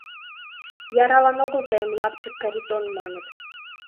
Яралан огыл тыйым Лапчык Каритон маныт...